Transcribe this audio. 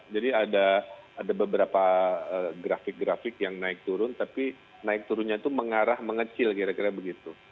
ada beberapa grafik grafik yang naik turun tapi naik turunnya itu mengarah mengecil kira kira begitu